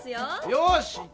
よし！